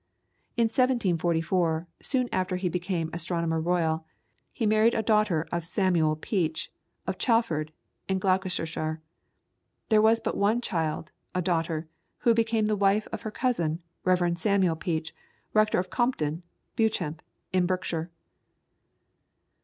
In 1744, soon after he became Astronomer Royal, he married a daughter of Samuel Peach, of Chalford, in Gloucestershire. There was but one child, a daughter, who became the wife of her cousin, Rev. Samuel Peach, rector of Compton, Beauchamp, in Berkshire.